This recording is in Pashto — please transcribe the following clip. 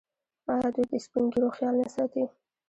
آیا دوی د سپین ږیرو خیال نه ساتي؟